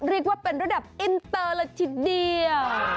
เรียกว่าเป็นระดับอินเตอร์เลยทีเดียว